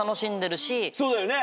そうだよね。